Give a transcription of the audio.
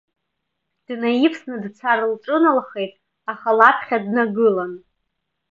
Днаивсны дцарц лҿыналхеит, аха лаԥхьа днагылан.